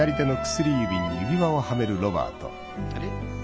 あれ？